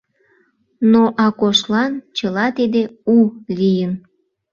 Но Акошлан чыла тиде у лийын.